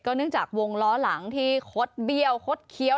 เนื่องจากวงล้อหลังที่คดเบี้ยวคดเคี้ยว